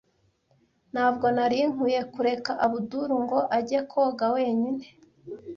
Ntabwo nari nkwiye kureka Abudul ngo ajye koga wenyine.